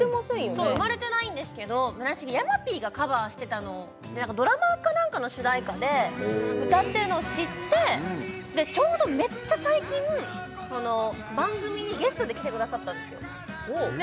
そう生まれてないんですけど村重山Ｐがカバーしてたのをドラマか何かの主題歌で歌ってるのを知ってでちょうどめっちゃ最近番組にゲストで来てくださったんですよで